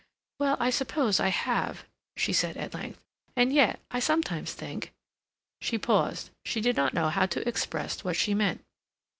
"Well, I suppose I have," she said at length. "And yet I sometimes think—" She paused; she did not know how to express what she meant.